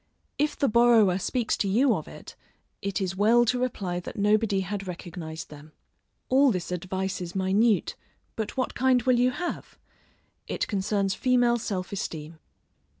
If the borrower speaks to you of it, it is well to reply that nobody had recognised them. All this advice is minute, but what kind will you have? it concerns female self esteem.